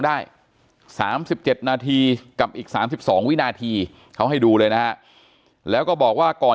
ได้๓๗นาทีกับอีก๓๒วินาทีเขาให้ดูเลยนะฮะแล้วก็บอกว่าก่อน